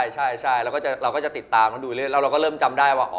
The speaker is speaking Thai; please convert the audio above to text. ใช่เราก็จะติดตามเขาดูเรื่อยแล้วเราก็เริ่มจำได้ว่า